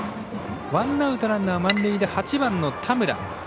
ワンアウト、ランナー満塁で８番の田村。